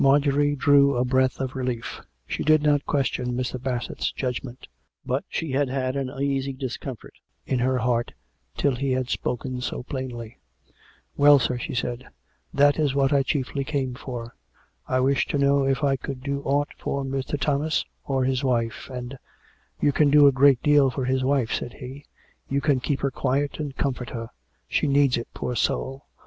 Marjorie drew a breath of relief. She did not question Mr. Bassett's judgment. But she had had an uneasy dis comfort in her heart till he had spoken so plainly. " Well, sir," she said, " that is what I chiefly came for. I wished to know if I could do aught for Mr. Thomas or his wife; and "" You can do a great deal for his wife," said he. " You can keep her quiet and comfort her. She needs it, poor soul!